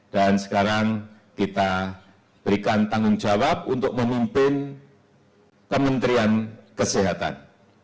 dan sekarang kita berikan tanggung jawab untuk memimpin kementerian kesehatan